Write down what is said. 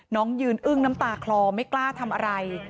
น้องยืนอึ้งน้ำตาคลอไม่กล้าทำอะไร